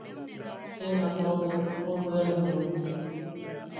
In ako ket, juʼubwela mukuk.